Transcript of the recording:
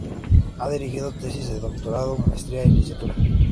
Ha dirigido tesis de doctorado, maestría y licenciatura.